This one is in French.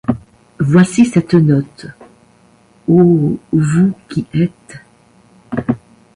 Voici cette note: « Ô vous qui êtes!